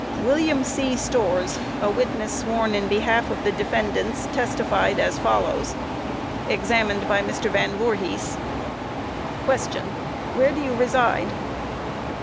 ] WILLIAM C. STORRS, a witness sworn in behalf of the defendants, testified as follows: Examined by MR. VAN VOORHIS: Q. Where do you reside?